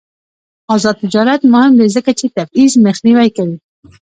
آزاد تجارت مهم دی ځکه چې تبعیض مخنیوی کوي.